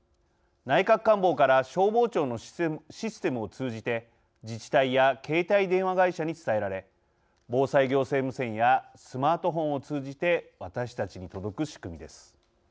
内閣官房から消防庁のシステムを通じて自治体や携帯電話会社に伝えられ防災行政無線やスマートフォンを通じて私たちに届く仕組みです。